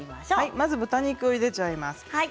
まず豚肉をゆでちゃいます。